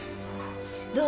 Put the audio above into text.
どう？